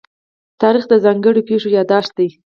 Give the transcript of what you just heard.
تاریخ د ځانګړو پېښو يادښت دی.